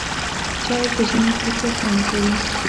چای په ژمي کې ښه خوند کوي.